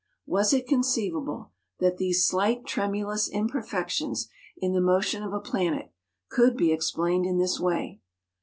Was it conceivable that these slight tremulous imperfections in the motion of a planet could be explained in this way?